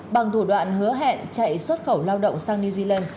bằng thủ đoạn hứa hẹn chạy xuất khẩu lao động sang new zealand